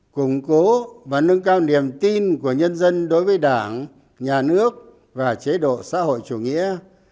củng cố và nâng cao niềm tin của nhân dân đối với đảng nhà nước và chế độ xã hội chủ nghĩa